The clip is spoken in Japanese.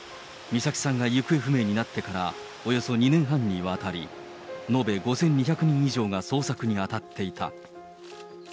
美咲さんが行方不明になってから、およそ２年半にわたり、延べ５２００人以上が捜索に当たっていた。